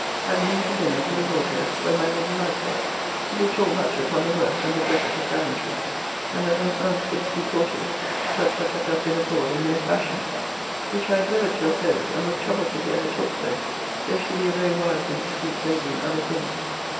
At noon to dinner to the Wardrobe; where my Lady Wright was, who did talk much upon the worth and the desert of gallantry; and that there was none fit to be courtiers, but such as have been abroad and know fashions. Which I endeavoured to oppose; and was troubled to hear her talk so, though she be a very wise and discreet lady in other things.